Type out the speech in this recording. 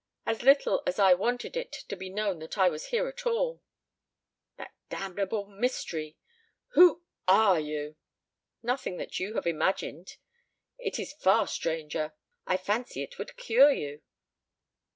As little as I wanted it to be known that I was here at all." "That damnable mystery! Who are you?" "Nothing that you have imagined. It is far stranger I fancy it would cure you."